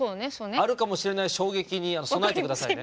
あるかもしれない衝撃に備えてくださいね。